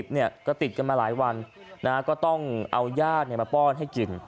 เนี่ยก็ติดกันมาหลายวันก็ต้องเอาญาติมาป้อนให้กิน